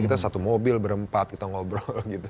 kita satu mobil berempat kita ngobrol gitu